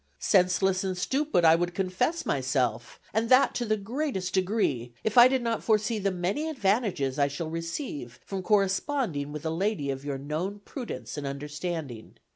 Senseless and stupid I would confess myself, and that to the greatest degree, if I did not foresee the many advantages I shall receive from corresponding with a lady of your known prudence and understanding.